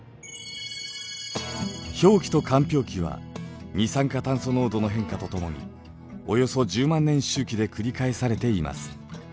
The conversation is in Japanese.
氷期と間氷期は二酸化炭素濃度の変化とともにおよそ１０万年周期で繰り返されています。